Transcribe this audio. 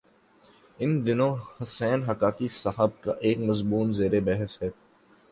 ان دنوں حسین حقانی صاحب کا ایک مضمون زیر بحث ہے۔